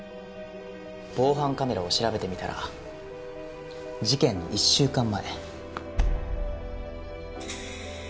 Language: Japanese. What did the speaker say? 防犯カメラを調べてみたら事件の１週間前。